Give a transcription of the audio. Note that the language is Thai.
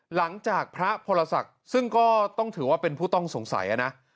หลังจากพระพรศักดิ์ซึ่งก็ต้องถือว่าเป็นผู้ต้องสงสัยนะ